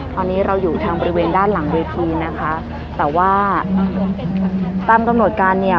ตอนนี้เราอยู่ทางบริเวณด้านหลังเวทีนะคะแต่ว่าตามกำหนดการเนี่ย